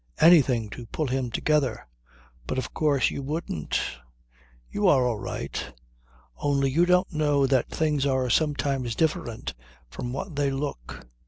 Anything to pull him together. But of course you wouldn't. You are all right. Only you don't know that things are sometimes different from what they look.